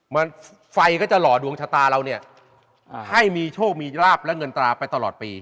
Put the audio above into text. มันไฟก็จะหล่อดวงชะตาเราเนี่ยให้มีโชคมีราบและเงินตราไปตลอดปี